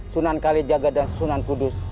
sunan kali jaga dan sunan kudus